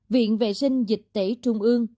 viện vệ sinh dịch tẩy trung ương